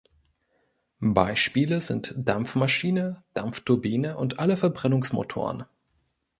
Beispiele sind Dampfmaschine, Dampfturbine und alle Verbrennungsmotoren.